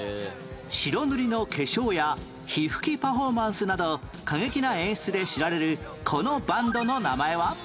白塗りの化粧や火噴きパフォーマンスなど過激な演出で知られるこのバンドの名前は？